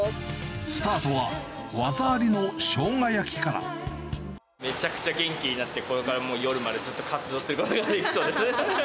スタートは、技ありのショウめちゃくちゃ元気になって、これから夜までずっと活動することができそうです。